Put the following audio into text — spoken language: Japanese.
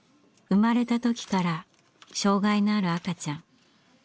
生まれた時から障害のある赤ちゃん。